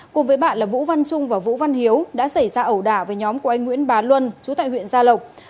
cùng với bạn là vũ văn trung và vũ văn hiếu đã xảy ra ẩu đả với nhóm của anh nguyễn bá luân chú tại huyện gia lộc